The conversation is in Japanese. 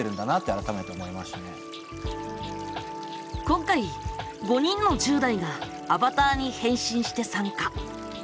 今回５人の１０代がアバターに変身して参加。